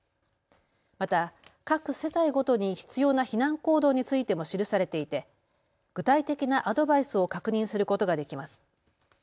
また各世帯ごとに必要な避難行動についても記されていて具体的なアドバイスを確認することができます。